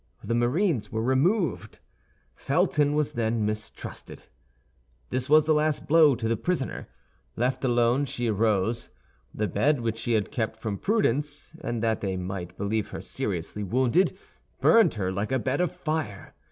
The marines were removed. Felton was then mistrusted. This was the last blow to the prisoner. Left alone, she arose. The bed, which she had kept from prudence and that they might believe her seriously wounded, burned her like a bed of fire.